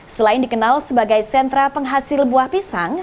selain dikenal sebagai sentra penghasil buah pisang